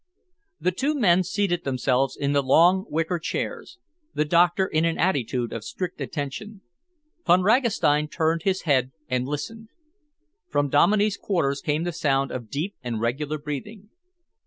The two men seated themselves in the long, wicker chairs, the doctor in an attitude of strict attention. Von Ragastein turned his head and listened. From Dominey's quarters came the sound of deep and regular breathing.